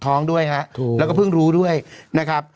ท้องด้วยฮะถูกแล้วก็เพิ่งรู้ด้วยนะครับ